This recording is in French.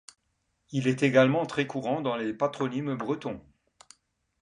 Il est également très courant dans les patronymes bretons.